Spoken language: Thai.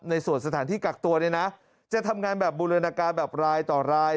ในส่วนสถานที่กักตัวเนี่ยนะจะทำงานแบบบูรณาการแบบรายต่อราย